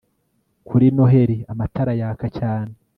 kuri noheri, amatara yaka cyane